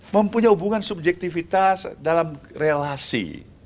mempunyai hubungan subjektivitas dalam relasi